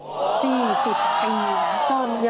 ๔๐ปีนะ